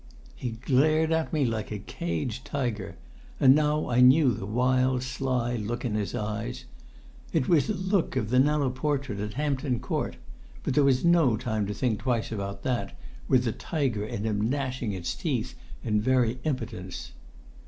He glared at me like a caged tiger, and now I knew the wild sly look in his eyes. It was the look of the Kneller portrait at Hampton Court, but there was no time to think twice about that, with the tiger in him gnashing its teeth in very impotence.